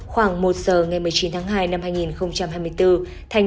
khoảng một giờ ngày một mươi chín tháng hai năm hai nghìn hai mươi bốn thanh